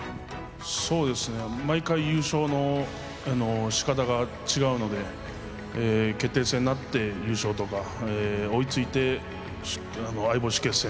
そうですね毎回優勝のしかたが違うので決定戦になって優勝とか追いついて相星決戦。